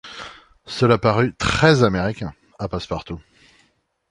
Cela parut « très-américain » à Passepartout.